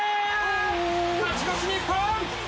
勝ち越し、日本。